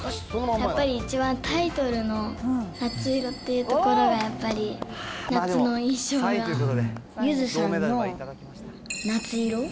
やっぱり一番タイトルの夏色っていうところがやっぱり夏の印ゆずさんの夏色。